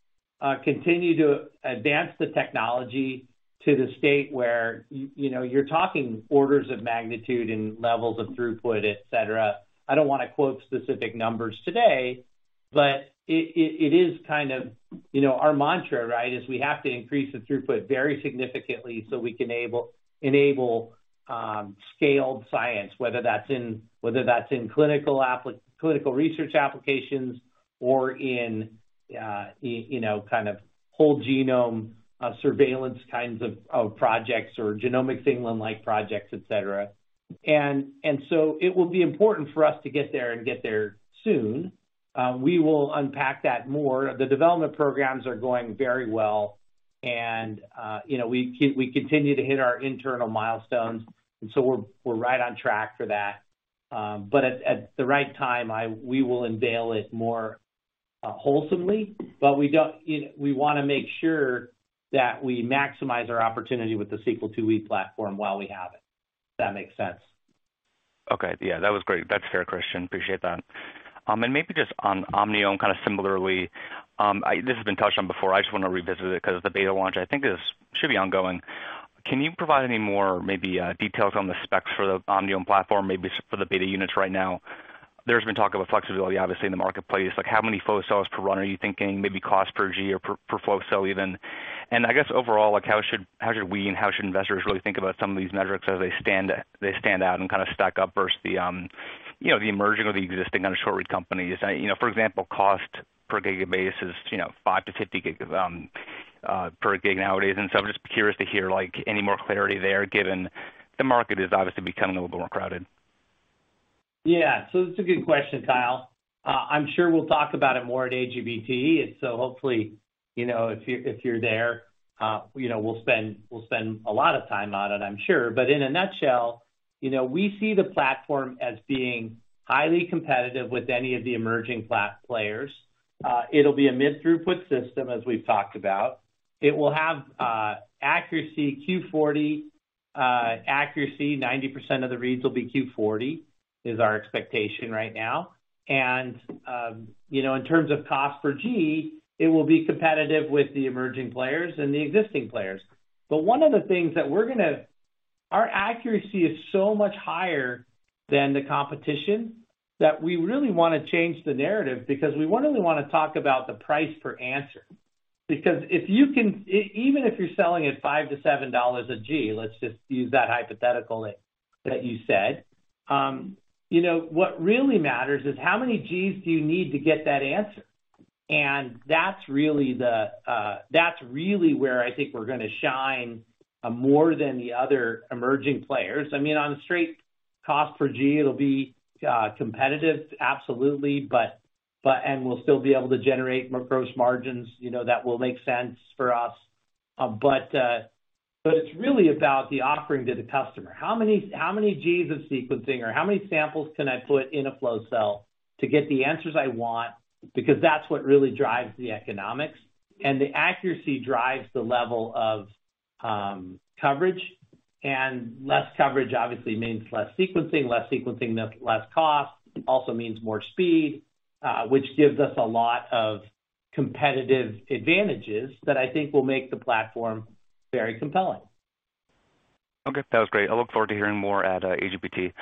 [SPEAKER 3] continue to advance the technology to the state where, you know, you're talking orders of magnitude and levels of throughput, et cetera. I don't wanna quote specific numbers today, but it is kind of, you know, our mantra, right? So we have to increase the throughput very significantly so we can enable scaled science, whether that's in clinical research applications or in, you know, kind of whole genome surveillance kinds of projects or genomic T2T-like projects, etc. It will be important for us to get there soon. We will unpack that more. The development programs are going very well, and we continue to hit our internal milestones and so we're right on track for that. At the right time, we will unveil it more wholesomely, but we don't, we wanna make sure that we maximize our opportunity with the Sequel II-E platform while we have it, if that makes sense.
[SPEAKER 8] Okay. Yeah, that was great. That's fair, Christian. Appreciate that. And maybe just on Omniome kind of similarly, this has been touched on before. I just wanna revisit it 'cause the beta launch I think is, should be ongoing. Can you provide any more maybe details on the specs for the Omniome platform, maybe for the beta units right now? There's been talk about flexibility obviously in the marketplace, like how many flow cells per run are you thinking? Maybe cost per G or per flow cell even. I guess overall, like how should we and how should investors really think about some of these metrics as they stand out and kind of stack up versus the emerging or the existing kind of short read companies? You know, for example, cost per gigabase is, you know, $5-$50 per gig nowadays. I'm just curious to hear like any more clarity there, given the market is obviously becoming a little bit more crowded.
[SPEAKER 3] That's a good question, Kyle. I'm sure we'll talk about it more at AGBT, and hopefully, you know, if you're there, you know, we'll spend a lot of time on it, I'm sure. But in a nutshell, you know, we see the platform as being highly competitive with any of the emerging players. It'll be a mid-throughput system, as we've talked about. It will have accuracy, Q40, 90% of the reads will be Q40, is our expectation right now. You know, in terms of cost per G, it will be competitive with the emerging players and the existing players. But one of the things that we're gonna... Our accuracy is so much higher than the competition that we really wanna change the narrative because we wouldn't wanna talk about the price per answer. Because if you can even if you're selling at $5-$7 a G, let's just use that hypothetical that you said, you know, what really matters is how many Gs do you need to get that answer? That's really where I think we're gonna shine more than the other emerging players. I mean, on straight cost per G, it'll be competitive, absolutely, but we'll still be able to generate more gross margins, you know, that will make sense for us. But it's really about the offering to the customer. How many Gs of sequencing or how many samples can I put in a flow cell to get the answers I want? Because that's what really drives the economics. The accuracy drives the level of coverage, and less coverage obviously means less sequencing. Less sequencing means less cost, it also means more speed, which gives us a lot of competitive advantages that I think will make the platform very compelling.
[SPEAKER 8] Okay. That was great. I look forward to hearing more at AGBT.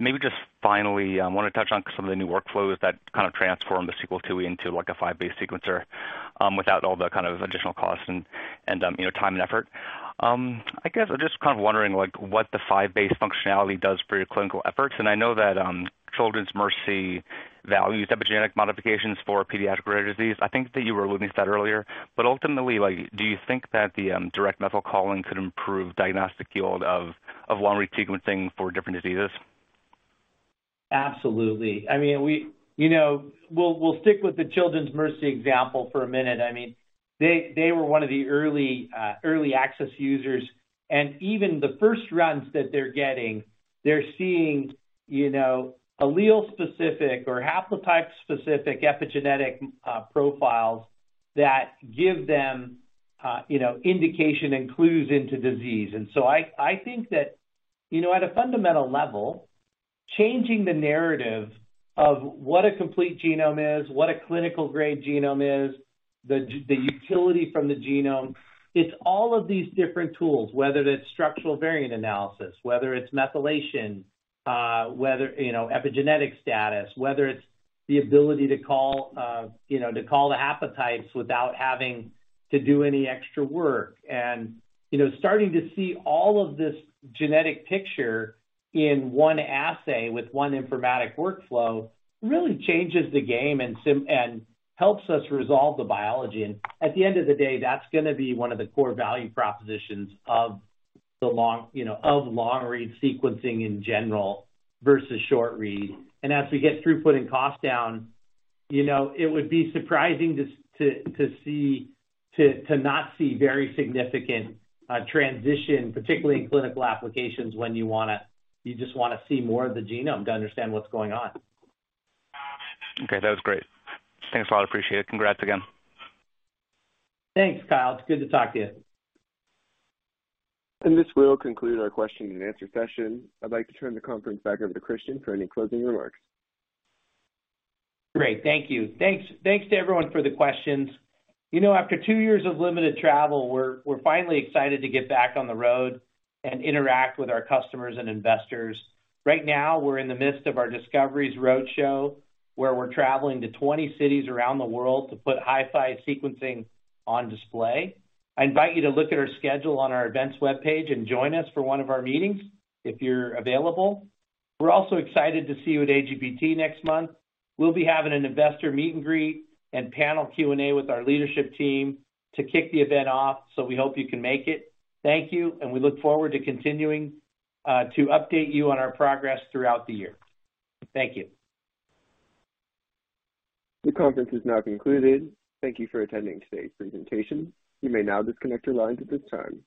[SPEAKER 8] Maybe just finally, wanna touch on some of the new workflows that kind of transform the Sequel II into like a five-base sequencer, without all the kind of additional costs and, you know, time and effort. I guess I'm just kind of wondering like what the five-base functionality does for your clinical efforts, and I know that Children's Mercy values epigenetic modifications for pediatric rare disease. I think that you were alluding to that earlier. Ultimately, like, do you think that the direct method calling could improve diagnostic yield of long-read sequencing for different diseases?
[SPEAKER 3] Absolutely. I mean, we'll stick with the Children's Mercy example for a minute. I mean, they were one of the early access users, and even the first runs that they're getting, they're seeing, you know, allele-specific or haplotype-specific epigenetic profiles that give them, you know, indication and clues into disease. I think that, you know, at a fundamental level, changing the narrative of what a complete genome is, what a clinical grade genome is, the utility from the genome, it's all of these different tools, whether that's structural variant analysis, whether it's methylation, whether, you know, epigenetic status, whether it's the ability to call, you know, the haplotypes without having to do any extra work. Starting to see all of this genetic picture in one assay with one informatic workflow really changes the game and helps us resolve the biology. At the end of the day, that's gonna be one of the core value propositions of the long, you know, of long read sequencing in general versus short read. As we get throughput and cost down, you know, it would be surprising to not see very significant transition, particularly in clinical applications when you just wanna see more of the genome to understand what's going on.
[SPEAKER 8] Okay. That was great. Thanks a lot. Appreciate it. Congrats again.
[SPEAKER 3] Thanks, Kyle. It's good to talk to you.
[SPEAKER 1] This will conclude our question and answer session. I'd like to turn the conference back over to Christian for any closing remarks.
[SPEAKER 3] Great. Thank you. Thanks to everyone for the questions. You know, after 2 years of limited travel, we're finally excited to get back on the road and interact with our customers and investors. Right now, we're in the midst of our Discoveries Roadshow, where we're traveling to 20 cities around the world to put HiFi sequencing on display. I invite you to look at our schedule on our events webpage and join us for one of our meetings if you're available. We're also excited to see you at AGBT next month. We'll be having an investor meet and greet and panel Q&A with our leadership team to kick the event off, so we hope you can make it. Thank you, and we look forward to continuing to update you on our progress throughout the year. Thank you.
[SPEAKER 1] The conference is now concluded. Thank you for attending today's presentation. You may now disconnect your lines at this time.